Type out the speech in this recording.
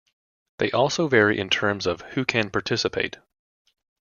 They also vary in terms of "who can participate".